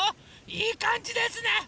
いいかんじですね。